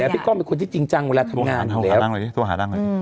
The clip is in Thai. พี่ก้องเป็นคนที่จริงจังเวลาทำงาน